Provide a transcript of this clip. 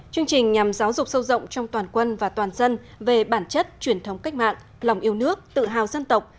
chương trình nhằm giáo dục sâu rộng trong toàn quân và toàn dân về bản chất truyền thống cách mạng lòng yêu nước tự hào dân tộc